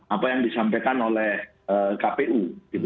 apa yang disampaikan oleh kpu